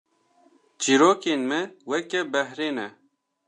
Çîrokên me weke behrê ne